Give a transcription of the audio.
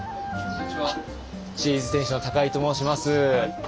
「知恵泉」店主の高井と申します。